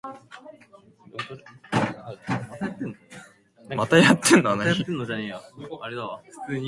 But do not be cast down.